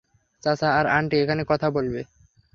চাচা আর আন্টি এখানে কথা বলবে।